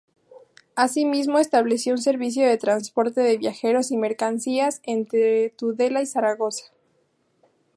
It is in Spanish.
Asimismo estableció un servicio de transporte de viajeros y mercancías entre Tudela y Zaragoza.